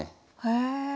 へえ。